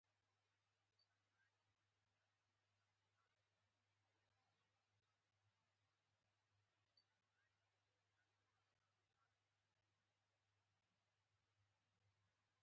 اوسپنه په ازاده او مرطوبه هوا کې ډیر خرابیږي.